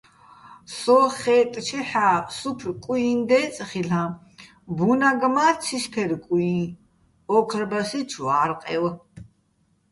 სოხ ხაჲტტჩეჰ̦ა́, სუფრ კუიჼ დე́წე ხილ'აჼ, ბუნაგ მა ცისბერ-კუჲჼ, ოქრბასიჩო̆ ვარყევ.